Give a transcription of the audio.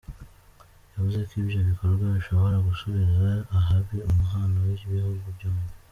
Yavuze ko ibyo bikorwa bishobora gusubiza ahabi umubano w’ibihugu byombi.